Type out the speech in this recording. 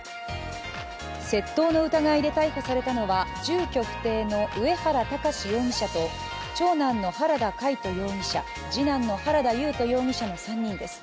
窃盗の疑いで逮捕されたのは住居不定の上原巌容疑者と長男の原田魁斗容疑者、次男の原田優斗容疑者の３人です。